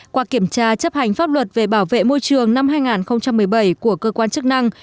qua kiểm tra chấp hành pháp luật về bảo vệ môi trường năm hai nghìn một mươi bảy của cơ quan chức năng